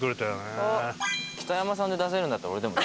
北山さんで出せるんだったら俺でも。